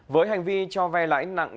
với hành vi cho ve lãnh nặng